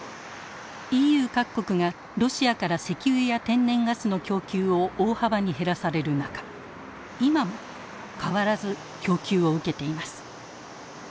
ＥＵ各国がロシアから石油や天然ガスの供給を大幅に減らされる中今も変わらず供給を受けています。